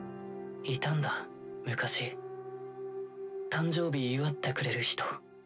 いたんだ昔誕生日祝ってくれる人。